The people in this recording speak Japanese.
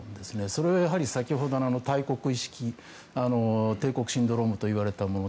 それはやはり先ほどの大国意識帝国シンドロームと呼ばれたもの